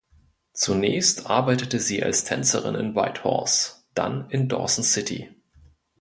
Zunächst arbeitete sie als Tänzerin in Whitehorse, dann in Dawson City.